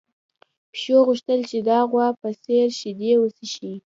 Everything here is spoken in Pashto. پيشو غوښتل چې د غوا په څېر شیدې وڅښي.